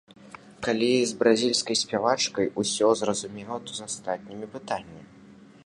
Калі з бразільскай спявачкай усё зразумела, то з астатнімі пытанне.